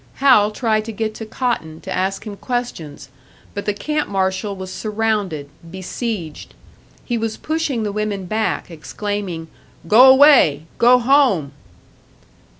Hal tried to get to Cotton, to ask him questions; but the camp marshal was surrounded, besieged. He was pushing the women back, exclaiming, "Go away! Go home!"